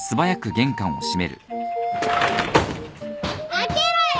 ・開けろよ！